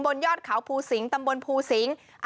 ยอดเขาภูสิงตำบลภูสิงศ์